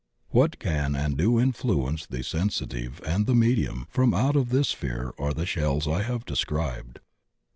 What can and do influence the sensitive and the me dium from out of this sphere are the shells I have described.